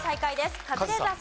カズレーザーさん。